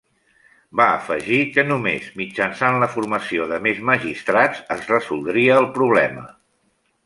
Va afegir que només mitjançant la formació de més magistrats es resoldria el problema.